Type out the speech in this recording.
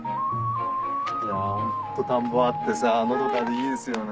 田んぼあってさのどかでいいですよね。